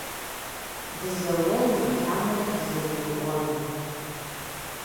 Дызэуэну хьэмэрэ дызэгурыӏуэну?